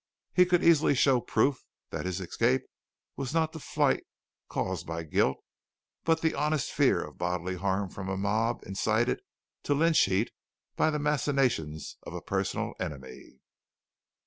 He could easily show proof that his escape was not the flight caused by guilt but the honest fear of bodily harm from a mob incited to lynch heat by the machinations of a personal enemy.